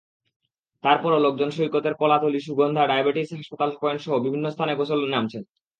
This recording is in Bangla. তারপরও লোকজন সৈকতের কলাতলী, সুগন্ধা, ডায়াবেটিস হাসপাতাল পয়েন্টসহ বিভিন্ন স্থানে গোসলে নামছেন।